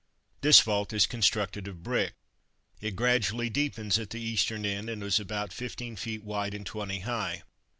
This vault is constructed of brick. It gradually deepens at the eastern end, and is about 15 feet wide, and 20 high.